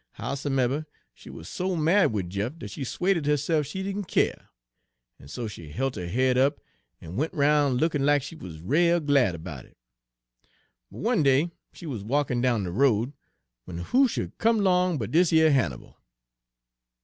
How someber, she wuz so mad wid Jeff dat she 'suaded herse'f she didn' keer; en so she hilt her head up en went roun' lookin' lack she wuz rale glad 'bout it. But one day she wuz walkin' down de road, w'en who sh'd come 'long but dis yer Hannibal.